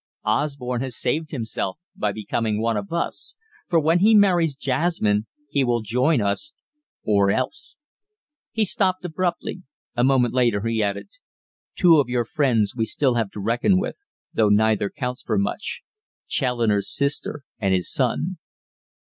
Osborne has saved himself by becoming one of us, for when he marries Jasmine he will join us or else " He stopped abruptly. A moment later he added: "Two of your friends we still have to reckon with, though neither counts for much: Challoner's sister, and his son."